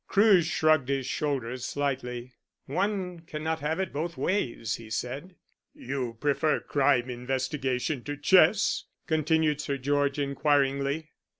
Crewe shrugged his shoulders slightly. "One cannot have it both ways," he said. "You prefer crime investigation to chess?" continued Sir George inquiringly.